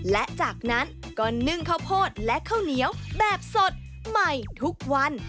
และจากนั้นก็นึ่งข้าวโพดและข้าวเหนียวแบบสดใหม่ทุกวัน